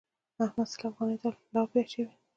احمد سل افغانيو ته الاپی اچوي.